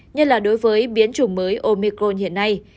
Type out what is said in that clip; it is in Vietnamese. như là đối với biến chủng mới omicron hiện nay